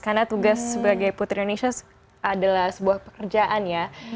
karena tugas sebagai putri indonesia adalah sebuah pekerjaan ya